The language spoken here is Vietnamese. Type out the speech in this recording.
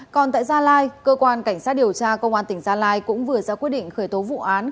còn tại gia lai cơ quan cảnh sát điều tra công an tỉnh gia lai cũng vừa ra quyết định khởi tố vụ án